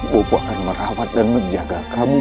pupuk akan merawat dan menjaga kamu